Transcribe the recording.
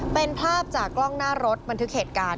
เป็นภาพจากกล้องหน้ารถบันทึกเหตุการณ์